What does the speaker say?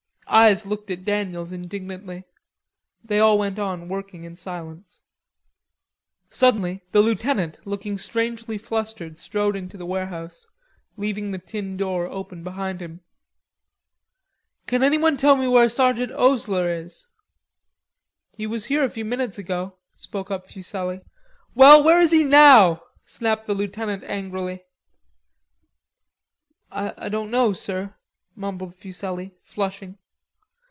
Eyes looked at Daniels indignantly. They all went on working in silence. Suddenly the lieutenant, looking strangely flustered, strode into the warehouse, leaving the tin door open behind him. "Can anyone tell me where Sergeant Osler is?" "He was here a few minutes ago," spoke up Fuselli. "Well, where is he now?" snapped the lieutenant angrily. "I don't know, sir," mumbled Fuselli, flushing.